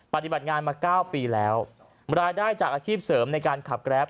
ปฏิบัติงานมา๙ปีแล้วรายได้จากอาชีพเสริมในการขับแกรป